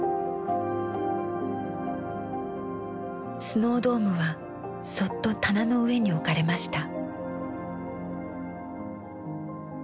スノードームはそっと棚の上に置かれました。